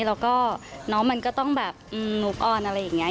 แล้วก็น้องมันก็ต้องแบบอืมอะไรอย่างเงี้ย